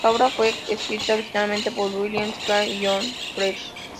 La obra fue escrita originalmente por William Shakespeare y Jonh Fletcher.